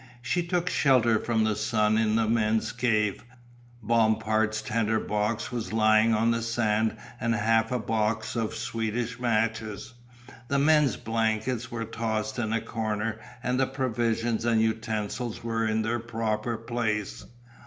She took shelter from the sun in the men's cave. Bompard's tinder box was lying on the sand and half a box of Swedish matches. The men's blankets were tossed in a corner and the provisions and utensils were in their proper place.